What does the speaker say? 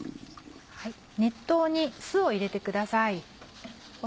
熱湯に酢を入れてください。